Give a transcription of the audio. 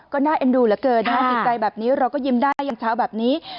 กฎีไฟดีมากจริง